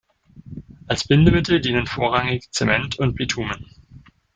Als Bindemittel dienen vorrangig Zement und Bitumen.